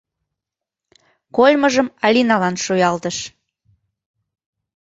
Кольмыжым Алиналан шуялтыш.